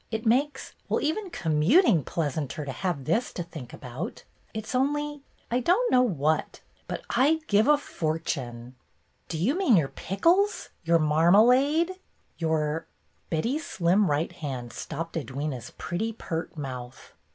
It makes — well, even commuting pleas anter to have this to think about ! It's only — I don't know what, but I'd give a fortune —" "Do you mean your pickles, your mar malade, your —" Betty's slim right hand stopped Edwyna's pretty, pert mouth.